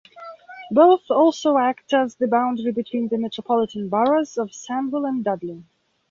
Both also act as the boundary between the metropolitan boroughs of Sandwell and Dudley.